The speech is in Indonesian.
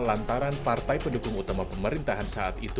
lantaran partai pendukung utama pemerintahan saat itu